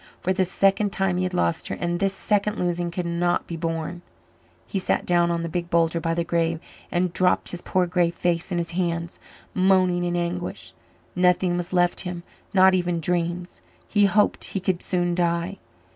For the second time he had lost her, and this second losing could not be borne. He sat down on the big boulder by the grave and dropped his poor grey face in his hands, moaning in anguish. Nothing was left him, not even dreams. He hoped he could soon die.